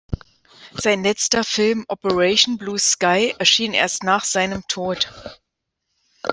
Sein letzter Film "Operation Blue Sky" erschien erst nach seinem Tod.